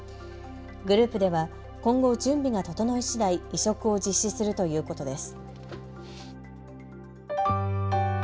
グループでは今後、準備が整いしだい移植を実施するということです。